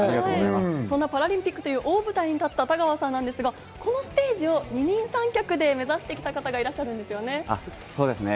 そのパラリンピックという大舞台に立った田川さんですが、このステージは二人三脚で目指してきた方いらっしゃるんですよね。